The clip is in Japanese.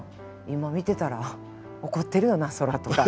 今見てたら怒ってるよなそら」とか。